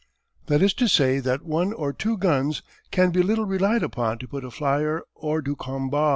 _] That is to say that one or two guns can be little relied upon to put a flyer hors du combat.